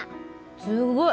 すごい！